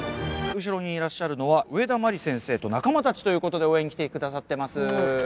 後ろにいらっしゃるのは上田麻理先生と仲間たちという事で応援に来てくださってます。